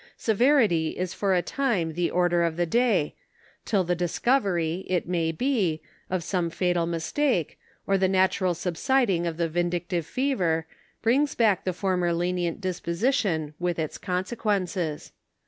Severity is for a time the order of the day, till the discovery, it may be, of some fatal mistake, or the natural subsiding of the vindictive fever, brings back the former lenient disposition with its consequences.